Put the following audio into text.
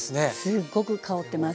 すっごく香ってます。